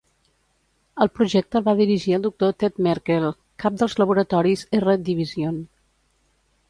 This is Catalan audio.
El projecte el va dirigir el doctor Ted Merkle, cap dels laboratoris R-Division.